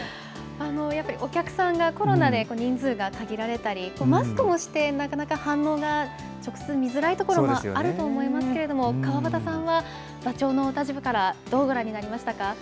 やっぱりお客さんがコロナで人数が限られたり、マスクもして、なかなか反応が直接見づらいところもあると思いますけれども、川畑さんは座長のお立場から、どうご覧になりましたか？